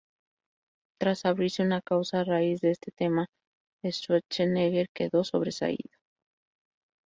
Tras abrirse una causa a raíz de este tema, Sturzenegger quedó sobreseído.